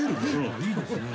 いいですね。